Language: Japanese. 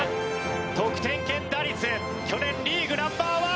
得点圏打率去年リーグナンバーワン。